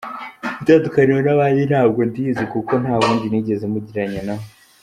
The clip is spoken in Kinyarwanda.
Itandukaniro n'abandi ntabwo ndizi kuko nta wundi nigeze mugereranya nawe.